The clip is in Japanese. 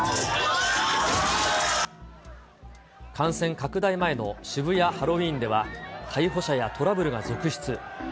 感染拡大前の渋谷ハロウィーンでは、逮捕者がトラブルが続出。